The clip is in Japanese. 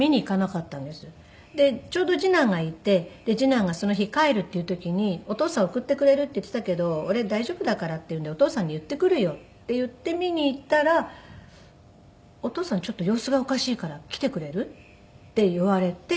でちょうど次男がいて次男がその日帰るっていう時に「お父さん送ってくれるって言っていたけど俺大丈夫だからってお父さんに言ってくるよ」って言って見に行ったら「お父さんちょっと様子がおかしいから来てくれる？」って言われて。